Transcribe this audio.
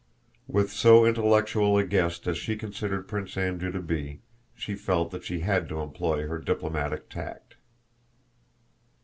With so intellectual a guest as she considered Prince Andrew to be, she felt that she had to employ her diplomatic tact.